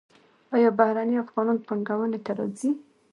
آیا بهرنی افغانان پانګونې ته راځي؟